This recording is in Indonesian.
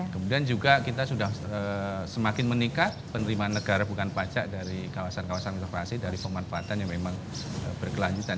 kemudian juga kita sudah semakin meningkat penerimaan negara bukan pajak dari kawasan kawasan inovasi dari pemanfaatan yang memang berkelanjutan